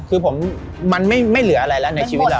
คือผมมันไม่เหลืออะไรแล้วในชีวิตเรา